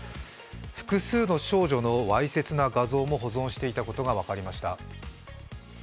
複数の少女のわいせつな画像も保存していたことが分かりました。